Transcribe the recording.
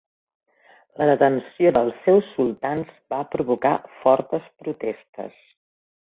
La detenció dels seus sultans va provocar fortes protestes.